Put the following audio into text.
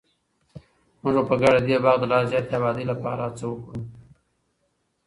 موږ به په ګډه د دې باغ د لا زیاتې ابادۍ لپاره هڅه وکړو.